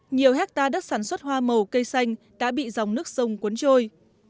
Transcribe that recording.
nhiều hectare đất sản xuất hoa màu cây xanh đã bị dòng nước sông cuốn trôi